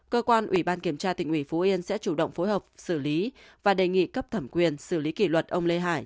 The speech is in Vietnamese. cơ quan ủy ban kiểm tra tỉnh ủy phú yên sẽ chủ động phối hợp xử lý và đề nghị cấp thẩm quyền xử lý kỷ luật ông lê hải